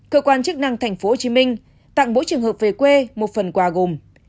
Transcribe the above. cơ quan chức năng tp hcm tặng bốn trường hợp về quê một phần quà gồm